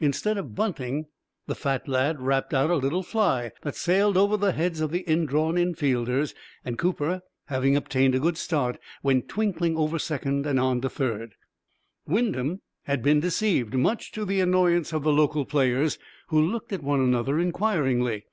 Instead of bunting, the fat lad rapped out a little fly, that sailed over the heads of the in drawn infielders, and Cooper, having obtained a good start, went twinkling over second and on to third. Wyndham had been deceived, much to the annoyance of the local players, who looked at one another inquiringly.